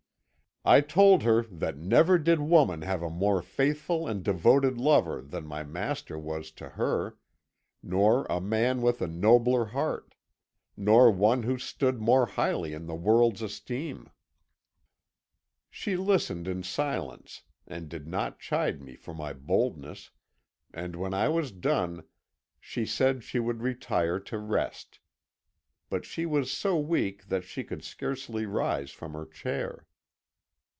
I told her that never did woman have a more faithful and devoted lover than my master was to her, nor a man with a nobler heart, nor one who stood more highly in the world's esteem. "She listened in silence, and did not chide me for my boldness, and when I was done, she said she would retire to rest. But she was so weak that she could scarcely rise from her chair.